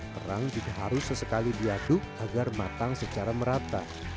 kerang juga harus sesekali diaduk agar matang secara merata